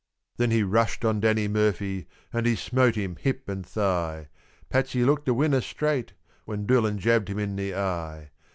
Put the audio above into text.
Then he rushed on Danny Murphy and he smote him hip and thigh; Patsy looked a winner straight, when Doolan jabbed him in the eye.